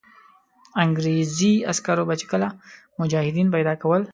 انګرېزي عسکرو به چې کله مجاهدین پیدا کول.